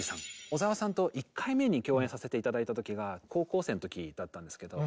小澤さんと１回目に共演させて頂いた時が高校生の時だったんですけど。